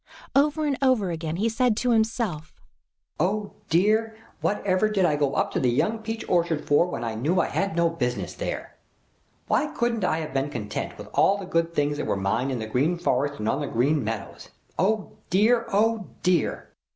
Over and over again he said to himself: "Oh, dear, whatever did I go up to the young peach orchard for when I knew I had no business there? Why couldn't I have been content with all the good things that were mine in the Green Forest and on the Green Meadows? Oh, dear! Oh, dear!"